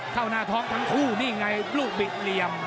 เข้าหน้าท้องทั้งคู่นี่ไงลูกบิดเหลี่ยม